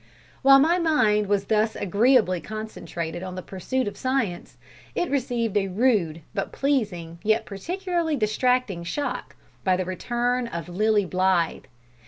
While my mind was thus agreeably concentrated on the pursuit of science, it received a rude, but pleasing, yet particularly distracting shock, by the return of Lilly Blythe.